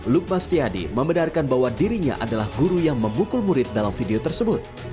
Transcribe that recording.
lukmasti adi membedarkan bahwa dirinya adalah guru yang membukul murid dalam video tersebut